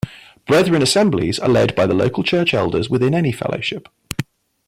Brethren assemblies are led by the local church elders within any fellowship.